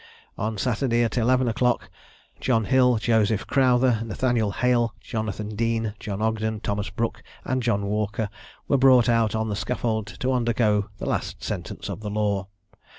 On Saturday at eleven o'clock, John Hill, Joseph Crowther, Nathaniel Hayle, Jonathan Deane, John Ogden, Thomas Brook, and John Walker, were brought out on the scaffold to undergo the last sentence of the law.